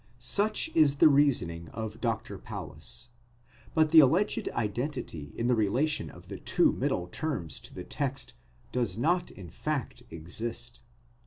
Such is the reasoning of Dr. Paulus: but the alleged identity in the relation of the two middle terms to the text does not in fact exist.